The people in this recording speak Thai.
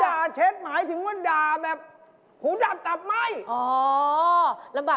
โอ้โฮสะอาดแย่เลยอ่ะ